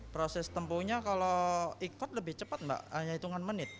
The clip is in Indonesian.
proses tempuhnya kalau ikut lebih cepat mbak hanya hitungan menit